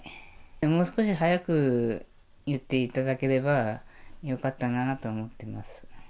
もう少し早く言っていただければよかったかなと思ってます。